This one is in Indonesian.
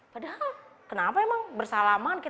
padahal kenapa emang bersalaman